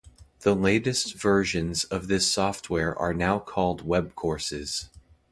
The latest versions of this software are now called Webcourses.